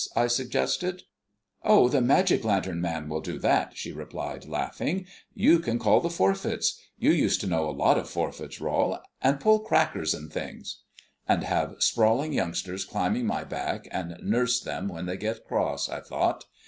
I suggested. "Oh, the magic lantern man will do that," she replied, laughing. "You can call the forfeits you used to know a lot of forfeits, Rol and pull crackers and things." And have sprawling youngsters climbing my back, and nurse them when they get cross, I thought.